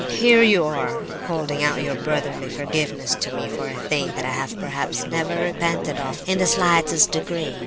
"Here you are holding out your brotherly forgiveness to me for a thing that I have perhaps never repented of in the slightest degree.